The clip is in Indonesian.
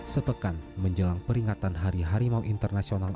sepekan menjelang peringatan hari harimau internasional